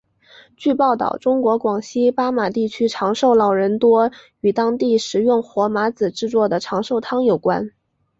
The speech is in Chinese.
据报道中国广西巴马地区长寿老人多与当地食用火麻子制作的长寿汤有关。